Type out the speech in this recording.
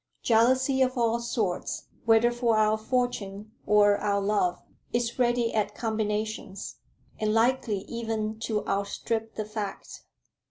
Jealousy of all sorts whether for our fortune or our love is ready at combinations, and likely even to outstrip the fact.